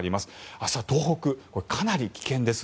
明日、東北、かなり危険です。